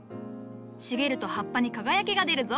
茂ると葉っぱに輝きが出るぞ。